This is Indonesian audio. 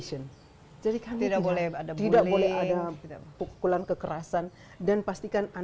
tidak akan bosan